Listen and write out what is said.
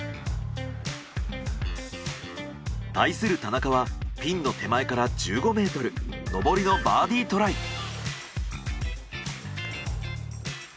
対する田中はピンの手前から１５ｍ上りのバーディトライ。